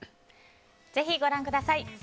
ぜひご覧ください。